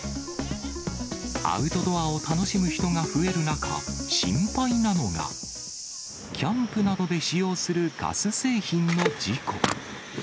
アウトドアを楽しむ人が増える中、心配なのが、キャンプなどで使用するガス製品の事故。